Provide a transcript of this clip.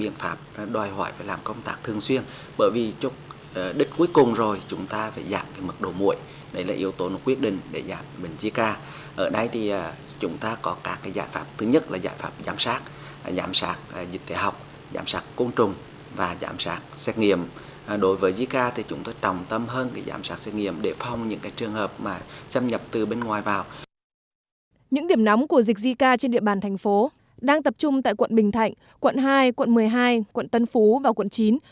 những điểm nóng của dịch zika trên địa bàn thành phố đang tập trung tại quận bình thạnh quận hai quận một mươi hai quận tân phú và quận chín